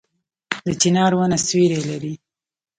د چنار ونه سیوری لري